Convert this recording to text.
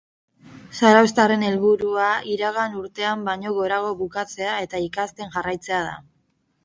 Zarauztarraren helburua iragan urtean baino gorago bukatzea eta ikasten jarraitzea da.